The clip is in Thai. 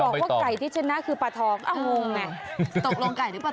บอกว่าไก่ที่ชนะคือปลาทองเอ้างงไง